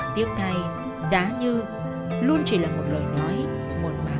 tiếc thay giá như luôn chỉ là một lời nói một mà